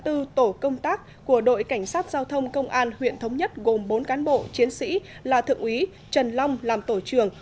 tổ công tác của đội cảnh sát giao thông công an huyện thống nhất gồm bốn cán bộ chiến sĩ là thượng úy trần long làm tổ trường